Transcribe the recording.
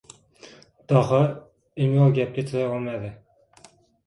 Daho imo gapga chiday olmadi.